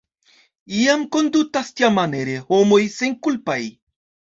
Iam kondutas tiamaniere homoj senkulpaj.